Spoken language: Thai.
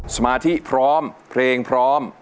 สมาธิพร้อมเพลงพร้อม